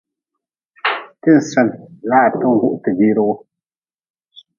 Ti-n sen laa ti-n huh ti biiri wu.